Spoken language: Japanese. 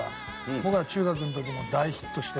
僕が中学の時に大ヒットしてるんで。